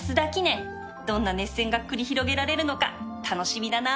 どんな熱戦が繰り広げられるのか楽しみだな